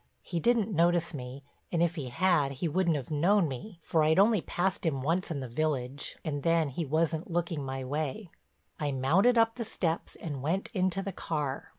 He didn't notice me, and if he had he wouldn't have known me, for I'd only passed him once in the village and then he wasn't looking my way. I mounted up the steps and went into the car.